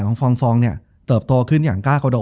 จบการโรงแรมจบการโรงแรม